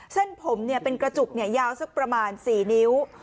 เส้นผมเป็นกระจุกยาวสักประมาณ๔นิ้ว